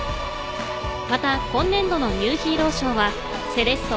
また今年度のニューヒーロー賞はセレッソ